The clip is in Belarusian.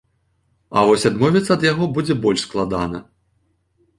А вось адмовіцца ад яго будзе больш складана.